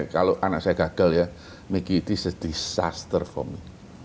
kalau anak saya gagal ya make it is a disaster for me